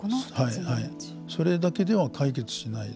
それだけでは解決しない。